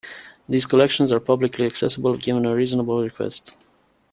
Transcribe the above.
These collections are publicly accessible given a reasonable request.